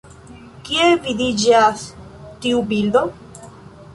Kie vidiĝas tiu bildo?